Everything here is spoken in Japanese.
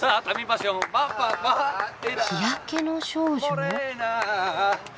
日焼けの少女。